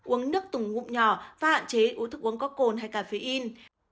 uống nước tủng ngụm nhỏ và hạn chế uống thức uống có cồn hay cà phê in